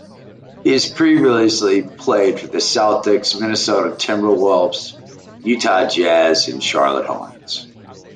He has previously played for the Celtics, Minnesota Timberwolves, Utah Jazz and Charlotte Hornets.